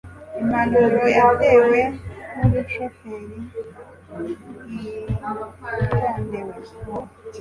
impanuka yatewe nubushoferi bwitondewe